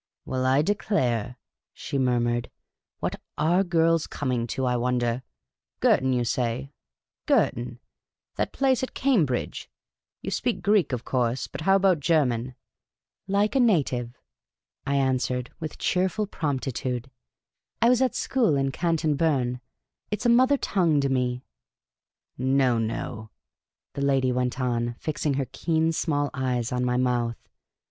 " Well, I declare," she murmured. " What are girls coming to, I wonder ? Girton, you say ; Girton ! That place at Cam bridge ! You speak Greek, of course ; but how about Ger man ?"" lyike a native," I answered, with cheerful promptitude, '* I was at school in Canton Berne ; it is a mother tongue to me. ''" No, no," the old lady went on, fixing her keen small eyes on my mouth.